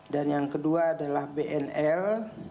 dan yang kedua adalah bnl